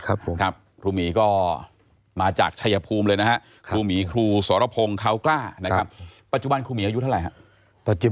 ยาท่าน้ำขาวไทยนครเพราะทุกการเดินทางของคุณจะมีแต่รอยยิ้ม